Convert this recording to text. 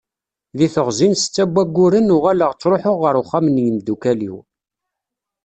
Deg teɣzi n setta n wayyuren, uɣaleɣ ttruḥuɣ ɣer uxxam n yimdukal-iw.